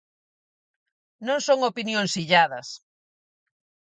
Non son opinións illadas.